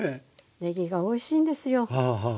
ねぎがおいしいんですよ。